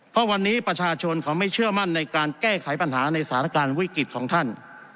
เพราะวันนี้ประชาชนเขาไม่เชื่อมั่นในการแก้ไขปัญหาในสถานการณ์วิกฤตของท่าน